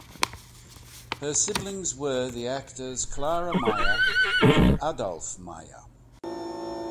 Her siblings were the actors Clara Meyer and Adolf Meyer.